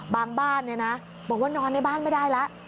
บ้านบอกว่านอนในบ้านไม่ได้แล้ว